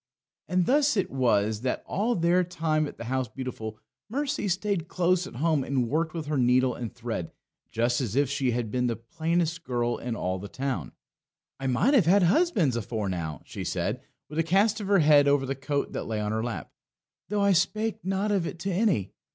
And thus it was that all their time at the House Beautiful Mercy stayed close at home and worked with her needle and thread just as if she had been the plainest girl in all the town. "I might have had husbands afore now," she said, with a cast of her head over the coat that lay on her lap, "though I spake not of it to any.